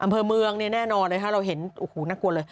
อำเภอเมืองแน่นอนเลยค่ะเราเห็นน่ากลัวเลย